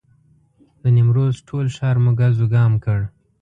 د نیمروز ټول ښار مو ګز وګام کړ.